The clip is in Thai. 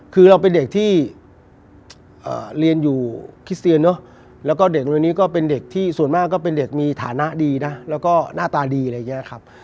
คือเราเป็นเด็กที่เรียนอยู่คริสเซียนเนอะแล้วก็เด็กตัวนี้ก็เป็นเด็กที่ส่วนมากก็เป็นเด็กมีฐานะดีนะแล้วก็หน้าตาดีอะไรอย่างนี้ครับ